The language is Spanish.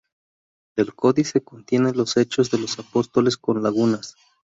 El codice contiene los Hechos de los Apóstoles con lagunas.